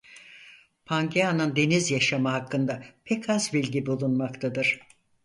Pangea'nın deniz yaşamı hakkında pek az bilgi bulunmaktadır.